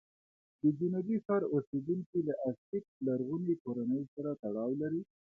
د جنوبي ښار اوسېدونکي له ازتېک لرغونې کورنۍ سره تړاو لري.